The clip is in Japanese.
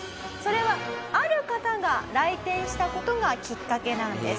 それはある方が来店した事がきっかけなんです。